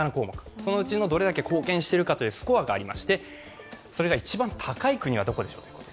そのうちのどれだけ貢献しているかスコアがありましてそれが一番高い国はどこでしょう。